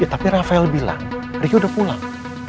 ya tapi rafael bilang ricky udah pulang